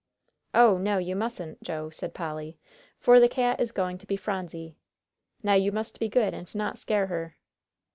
"Oh, no, you mustn't, Joe," said Polly, "for the cat is going to be Phronsie. Now you must be good and not scare her."